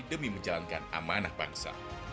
demi menjalankan amanah bangsa